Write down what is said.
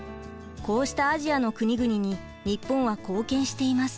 こうしたアジアの国々に日本は貢献しています。